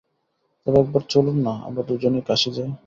তবে একবার চলুন-না, আমরা দুইজনেই কাশী যাই।